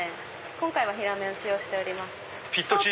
今回は平麺を使用しております。